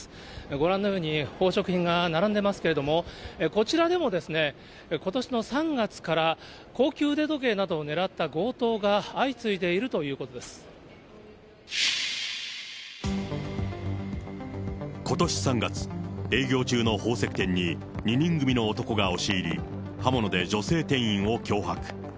ご覧のように、宝飾品が並んでますけれども、こちらでもことしの３月から高級腕時計などを狙った強盗が相次いことし３月、営業中の宝石店に２人組の男が押し入り、刃物で女性店員を脅迫。